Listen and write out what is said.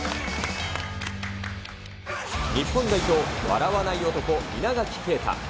日本代表、笑わない男、稲垣啓太。